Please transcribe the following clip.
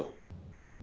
dari sisi saya